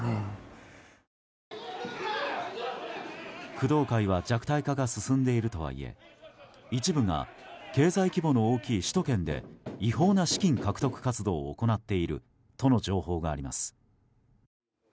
工藤会は弱体化が進んでいるとはいえ一部が経済規模の大きい首都圏で違法な資金獲得活動を行っているとの情報があります。